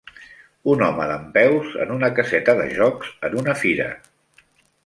Un home dempeus en una caseta de jocs en una fira.